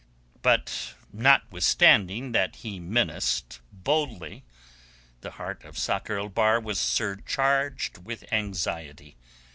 But notwithstanding that he menaced boldly the heart of Sakr el Bahr was surcharged with anxiety.